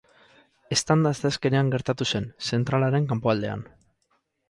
Eztanda asteazkenean gertatu zen, zentralaren kanpoaldean.